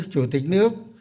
chủ tịch nước